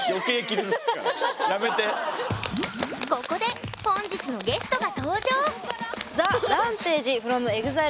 ここで本日のゲストが登場！